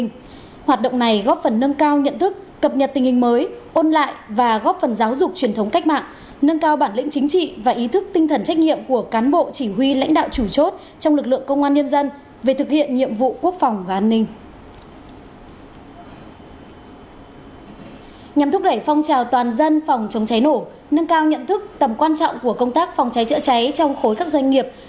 nâng cao nhận thức tầm quan trọng của công tác phòng cháy chữa cháy trong khối các doanh nghiệp